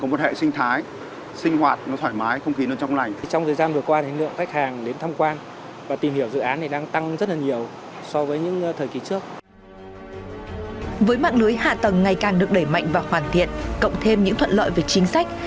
với mạng lưới hạ tầng ngày càng được đẩy mạnh và hoàn thiện cộng thêm những thuận lợi về chính sách